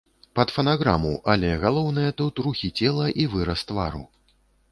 Пад фанаграму, але галоўнае тут рухі цела і выраз твару.